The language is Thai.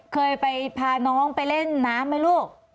เคยไปพาน้องไปเล่นน้ำไหมลูก